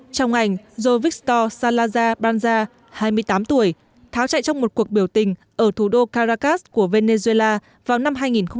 trong ảnh jovixtor salazar banza hai mươi tám tuổi tháo chạy trong một cuộc biểu tình ở thủ đô caracas của venezuela vào năm hai nghìn một mươi bảy